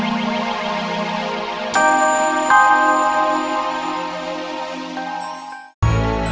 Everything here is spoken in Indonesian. tidak ada yang bisa diberikan